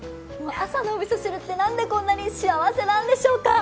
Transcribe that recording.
朝のおみそ汁ってなんでこんなに幸せなんでしょうか？